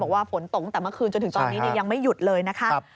บอกว่าฝนตกตั้งแต่เมื่อคืนจนถึงตอนนี้ยังไม่หยุดเลยนะคะ